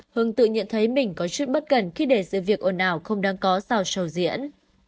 hương tự nhận thấy mình có chút bất cẩn khi để dự việc ổn ảo không đáng có sau sầu diễn